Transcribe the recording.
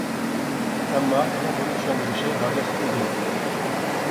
ئەمما ئۇنىڭ بۇنى چۈشەندۈرۈشى ھاجەتسىز ئىدى.